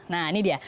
nah ini dia